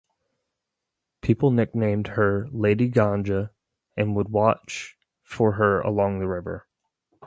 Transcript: People nicknamed her "Lady Ganga" and would watch for her along the river.